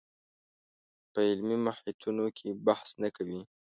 په علمي محیطونو کې بحث نه کوي